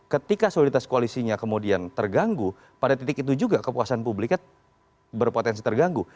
ketika soliditas koalisinya kemudian terganggu pada titik itu juga kepuasan publiknya berpotensi terganggu